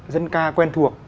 dân ca quen thuộc